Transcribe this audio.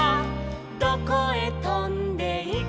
「どこへとんでいくのか」